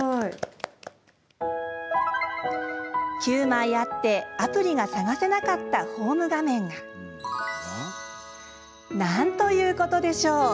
９ 枚あって、アプリが探せなかったホーム画面がなんということでしょう。